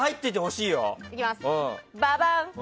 ババン！